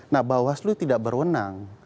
nah bahwa asli tidak berwenang